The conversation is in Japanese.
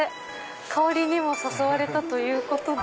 香りにも誘われたということで。